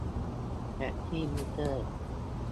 แท็กซี่มิเตอร์